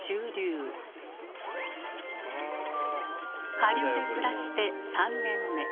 下流で暮らして３年目。